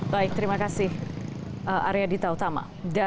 baik terima kasih arya dita utama